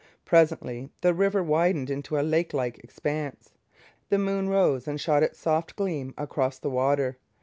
Presently the river widened into a lakelike expanse. The moon rose and shot its soft gleam across the water.